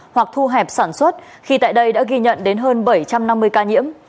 hoặc thu hẹp sản xuất khi tại đây đã ghi nhận đến hơn bảy trăm năm mươi ca nhiễm